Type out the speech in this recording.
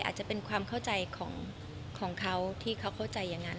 อาจจะเป็นความเข้าใจของเขาที่เขาเข้าใจอย่างนั้น